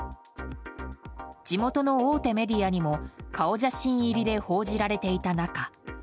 地元の大手メディアにも顔写真入りで報じられていた中